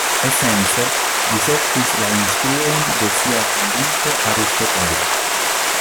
Esence, ĝi sekvis la instruojn de sia fondinto Aristotelo.